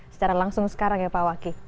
secara langsung sekarang ya pak waki